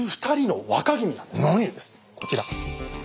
こちら。